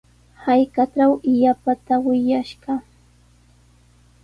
Hallqatraw illapata wiyash kaa.